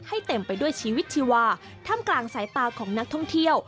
เต็มไปด้วยชีวิตชีวาท่ำกลางสายตาของนักท่องเที่ยว